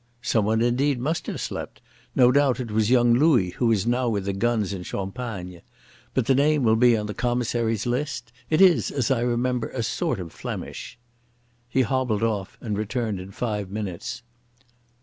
"Someone indeed must have slept. No doubt it was young Louis who is now with the guns in Champagne. But the name will be on the Commissary's list. It is, as I remember, a sort of Flemish." He hobbled off and returned in five minutes.